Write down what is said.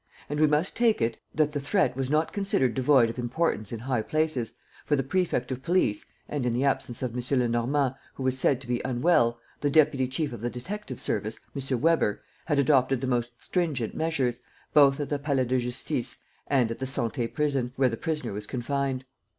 And we must take it that the threat was not considered devoid of importance in high places, for the prefect of police and, in the absence of M. Lenormand, who was said to be unwell, the deputy chief of the detective service, M. Weber, had adopted the most stringent measures, both at the Palais de Justice and at the Santé Prison, where the prisoner was confined.